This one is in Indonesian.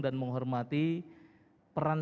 dan menghormati peran